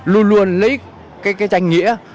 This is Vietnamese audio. luôn luôn lấy cái danh nghĩa